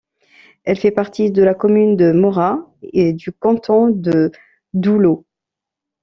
Elle fait partie de la commune de Mora et du canton de Doulo.